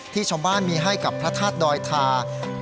ที่ชาวบ้านมีให้กับพระธาตุดอยทา